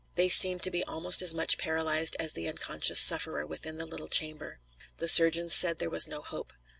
They seemed to be almost as much paralyzed as the unconscious sufferer within the little chamber. The surgeons said there was no hope.